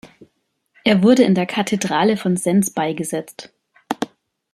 Er wurde in der Kathedrale von Sens beigesetzt.